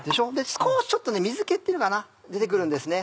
少しちょっと水気っていうのかな出て来るんですね